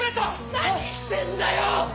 何してんだよ！